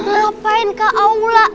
ngapain ke aula